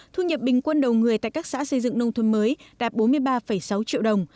thu nhập bình quân đầu người tại các xã xây dựng nông thôn mới đạt bốn mươi ba sáu triệu đồng